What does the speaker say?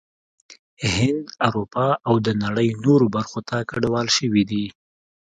هند، اروپا او د نړۍ نورو برخو ته کډوال شوي دي